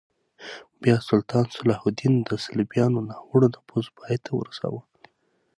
بیا سلطان صلاح الدین د صلیبیانو ناوړه نفوذ پای ته ورساوه.